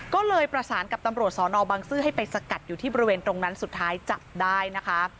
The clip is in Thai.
ก็เลยประสานกับตำรวจสอนอบังซื้อให้ไปสกัดอยู่ที่บริเวณตรงนั้นสุดท้ายจับได้นะคะ